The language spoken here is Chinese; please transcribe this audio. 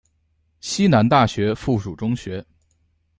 西南大学附属中学。